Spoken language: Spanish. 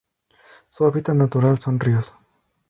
Su hábitat natural son: ríos.